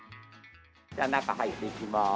じゃあ中入っていきます。